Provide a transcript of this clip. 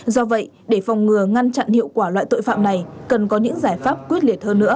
do vậy để phòng ngừa ngăn chặn hiệu quả loại tội phạm này cần có những giải pháp quyết liệt hơn nữa